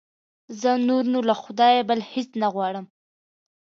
زه نور نو له خدایه بل هېڅ نه غواړم.